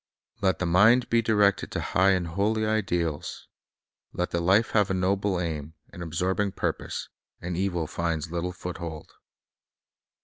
Let the mind be directed to high and holy ideals, let the life have a noble aim, an absorbing purpose, and evil finds little foothold.